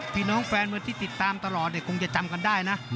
พี่น้องแฟนมวยที่ติดตามตลอดเนี่ยคงจะจำกันได้นะ